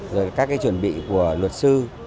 rồi các cái chuẩn bị của luật sư